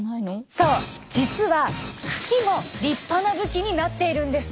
そう実は茎も立派な武器になっているんです。